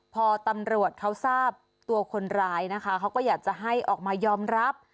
พอตำรวจเขาทราบตัวคนร้ายนะคะเขาก็อยากจะให้ออกมายอมรับ